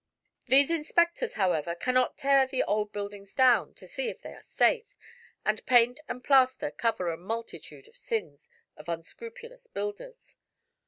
These inspectors, however, cannot tear the old buildings down to see if they are safe, and paint and plaster cover a multitude of sins of unscrupulous builders.